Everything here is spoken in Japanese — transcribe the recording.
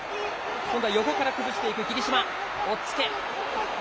今度は横から崩していく霧島、押っつけ。